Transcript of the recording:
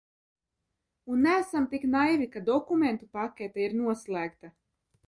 Un neesam tik naivi, ka dokumentu pakete ir noslēgta.